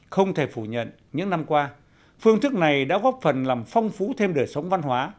không thể phủ nhận những năm qua phương thức này đã góp phần làm phong phú thêm đời sống văn hóa